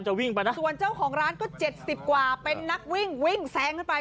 วิ่งไปนะส่วนเจ้าของร้านก็๗๐กว่าเป็นนักวิ่งวิ่งแซงขึ้นไป